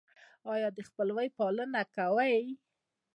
ایا د خپلوۍ پالنه کوئ؟